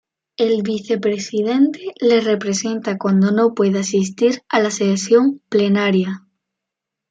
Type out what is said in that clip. El vicepresidente le representa cuando no pueda asistir a la sesión plenaria.